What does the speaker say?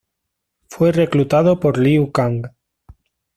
Fue reclutado por Liu Kang.